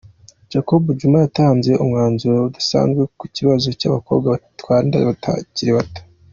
Jacob Zuma yatanze umwanzuro udasanzwe ku kibazo cy’abakobwa batwara inda bakiri bato.